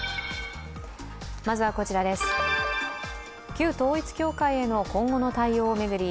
旧統一教会への今後の対応を巡り